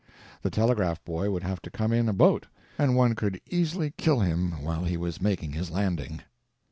The telegraph boy would have to come in a boat, and one could easily kill him while he was making his landing.